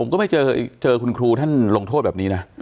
ก็ไม่เจอจริงเจอคุณครูท่านลงโทษแบบนี้